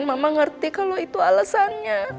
mama ngerti kalau itu alasannya